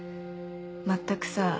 「まったくさ